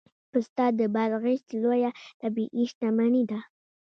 پسته د بادغیس لویه طبیعي شتمني ده